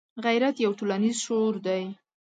غیرت یو ټولنیز شعور دی